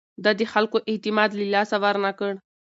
ده د خلکو اعتماد له لاسه ورنه کړ.